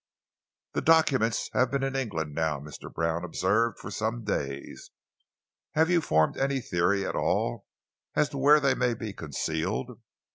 "The documents have been in England now," Mr. Brown observed, "for some days. Have you formed any theory at all as to where they may be concealed?"